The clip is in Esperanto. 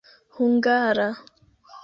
hungara